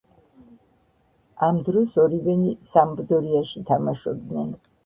ამ დროს ორივენი „სამპდორიაში“ თამაშობდნენ.